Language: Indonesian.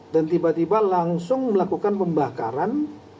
dan tiba tiba langsung melakukan pembakaran